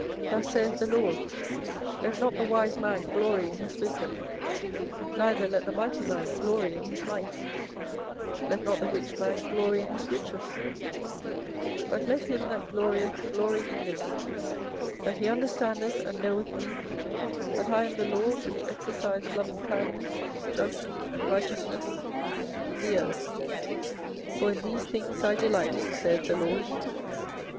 24:009:023 Thus saith the LORD, Let not the wise man glory in his wisdom, neither let the mighty man glory in his might, let not the rich man glory in his riches: 24:009:024 But let him that glorieth glory in this, that he understandeth and knoweth me, that I am the LORD which exercise lovingkindness, judgment, and righteousness, in the earth: for in these things I delight, saith the LORD.